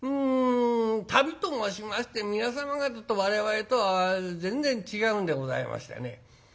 旅と申しまして皆様方と我々とは全然違うんでございましてね。